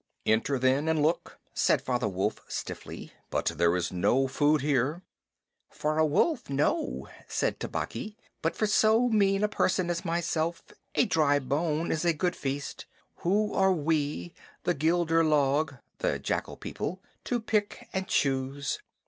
"Enter, then, and look," said Father Wolf stiffly, "but there is no food here." "For a wolf, no," said Tabaqui, "but for so mean a person as myself a dry bone is a good feast. Who are we, the Gidur log [the jackal people], to pick and choose?"